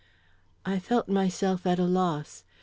I felt myself at a loss.